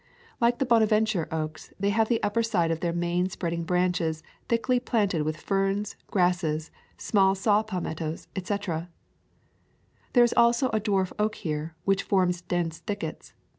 Like the Bonaventure oaks they have the upper side of their main spreading branches thickly planted with ferns, grasses, small saw palmettos, etc. There is also a dwarf oak here, which forms dense thickets.